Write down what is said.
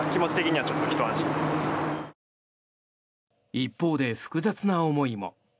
一方で、複雑な思いも。